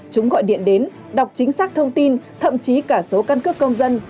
chúng gọi điện đến đọc chính xác thông tin thậm chí cả số căn cước công dân